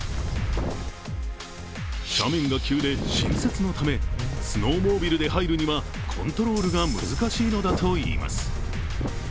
斜面が急で新雪のため、スノーモービルで入るにはコントロールが難しいのだといいます。